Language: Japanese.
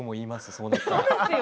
そうなったら。